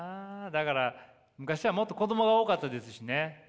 だから昔はもっと子供が多かったですしね。